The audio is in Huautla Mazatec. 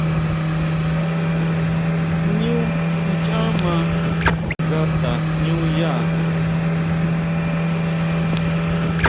ʼÑú nchá maa nga tajñúya.